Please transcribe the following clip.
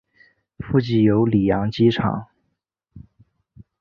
附近有里扬机场。